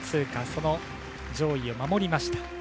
その上位を守りました。